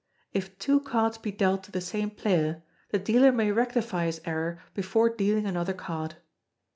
If two cards be dealt to the same player, the dealer may rectify his error before dealing another card.